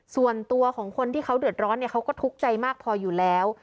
ส่วนตัวของคนที่เขาเดือดร้อนเขาก็ทุกข์ใจมากพออยู่แล้ว